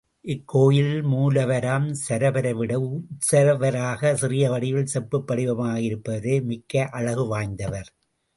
இக்கோயிலில் மூலவராம் சரபரை விட, உத்சவராக சிறிய வடிவில் செப்புப் படிமமாக இருப்பவரே மிக்க அழகு வாய்ந்தவர்.